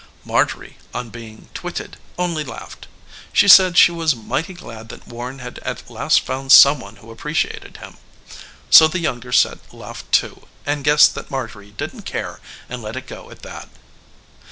Marjorie on being twitted only laughed. She said she was mighty glad that Warren had at last found some one who appreciated him. So the younger set laughed, too, and guessed that Marjorie didn't care and let it go at that.